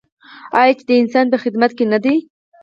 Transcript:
آیا چې د انسان په خدمت کې نه دی؟